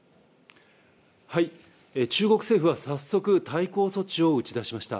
中国政府は早速、対抗措置を打ち出しました。